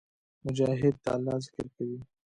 مجاهد د الله ذکر کوي.